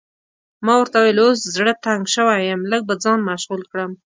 ما ورته وویل اوس زړه تنګ شوی یم، لږ به ځان مشغول کړم.